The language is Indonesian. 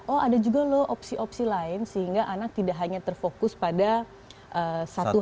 oh ada juga loh opsi opsi lain sehingga anak tidak hanya terfokus pada satu hal